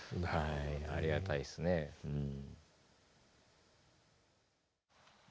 ありがたいっすねえうん。